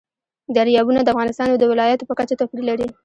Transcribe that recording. دریابونه د افغانستان د ولایاتو په کچه توپیر لري.